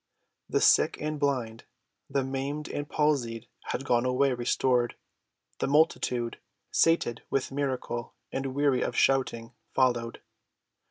The sick and blind, the maimed and palsied had gone away restored, the multitude, sated with miracle and weary of shouting, followed.